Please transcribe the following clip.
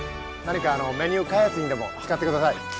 何かメニュー開発にでも使ってください。